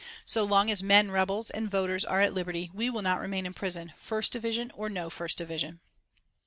So long as men rebels and voters are at liberty, we will not remain in prison, first division or no first division."